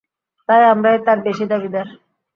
তাই আমরাই তার বেশী দাবীদার।